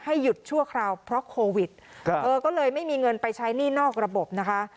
หยุดชั่วคราวเพราะโควิดครับเธอก็เลยไม่มีเงินไปใช้หนี้นอกระบบนะคะ